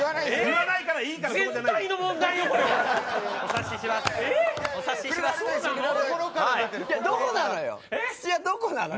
土屋どこなのよ？